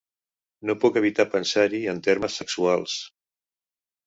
No puc evitar pensar-hi en termes sexuals.